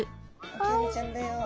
オキアミちゃんだよ？